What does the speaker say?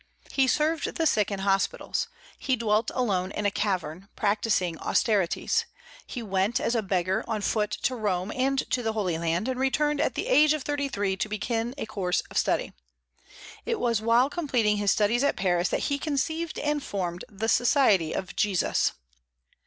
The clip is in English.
He served the sick in hospitals; he dwelt alone in a cavern, practising austerities; he went as a beggar on foot to Rome and to the Holy Land, and returned at the age of thirty three to begin a course of study. It was while completing his studies at Paris that he conceived and formed the "Society of Jesus."